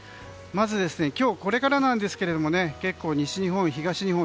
まず今日これからですが結構、西日本、東日本